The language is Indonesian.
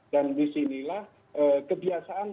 dan disinilah kebiasaan